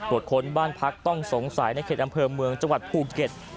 ค้นบ้านพักต้องสงสัยในเขตอำเภอเมืองจังหวัดภูเก็ต